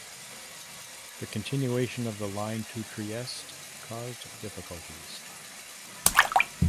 The continuation of the line to Trieste caused difficulties.